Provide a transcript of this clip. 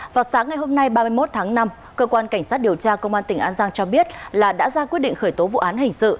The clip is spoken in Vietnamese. vào sáng ngày hôm nay ba mươi một tháng năm cơ quan cảnh sát điều tra công an tỉnh an giang cho biết là đã ra quyết định khởi tố vụ án hình sự